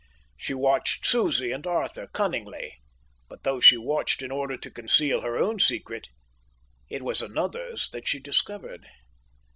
She watched Susie and Arthur cunningly. But though she watched in order to conceal her own secret, it was another's that she discovered.